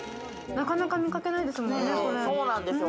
なかなか見かけないですものね、これ。